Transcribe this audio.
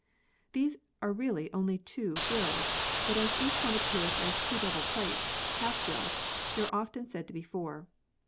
These are really only two gills, but as each one appears as two double plates (half gills) there are often said to be four.